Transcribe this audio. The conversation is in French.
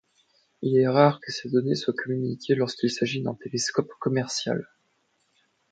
Il est rare que ces données soit communiquées lorsqu'il s'agit d'un télescope commercial.